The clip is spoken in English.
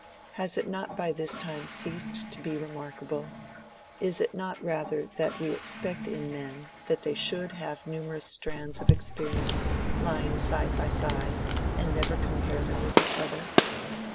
has it not by this time ceased to be remarkable—is it not rather that we expect in men, that they should have numerous strands of experience lying side by side and never compare them with each other?